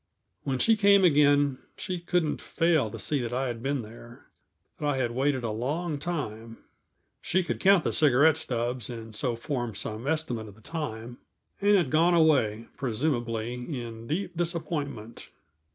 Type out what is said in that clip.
When she came again, she couldn't fail to see that I had been there; that I had waited a long time she could count the cigarette stubs and so form some estimate of the time and had gone away, presumably in deep disappointment.